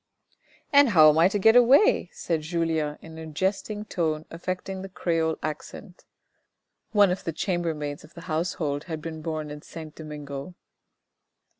" And how am I to get away ?" said Julien in a jesting tone affecting the Creole accent. (One of the chambermaids of the household had been born in Saint Domingo.)